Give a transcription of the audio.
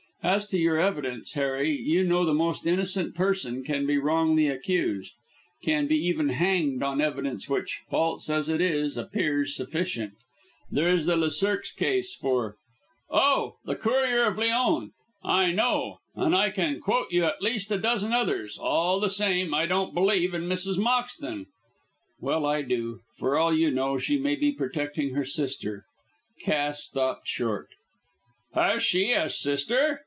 As to your evidence, Harry, you know the most innocent person can be wrongly accused, can be even hanged on evidence which, false as it is, appears sufficient. There is the Lesurques case, for " "Oh! the Courier of Lyons. I know. And I can quote you at least a dozen others. All the same, I don't believe in Mrs. Moxton." "Well, I do. For all you know she may be protecting her sister." Cass stopped short. "Has she a sister?"